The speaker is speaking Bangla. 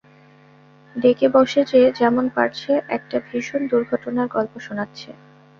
ডেকে বসে যে যেমন পারছে, একটা ভীষণ দুর্ঘটনার গল্প শোনাচ্ছে।